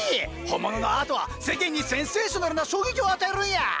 本物のアートは世間にセンセーショナルな衝撃を与えるんや。